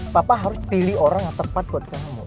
papa harus pilih orang yang tepat buat kamu